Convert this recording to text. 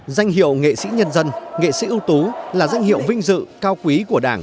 danh hiệu nghệ sĩ nhân dân nghệ sĩ ưu tú là danh hiệu vinh dự cao quý của đảng